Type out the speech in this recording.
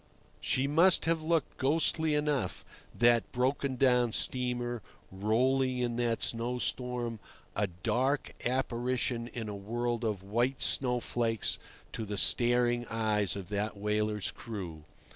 She must have looked ghostly enough, that broken down steamer, rolling in that snowstorm—a dark apparition in a world of white snowflakes to the staring eyes of that whaler's crew.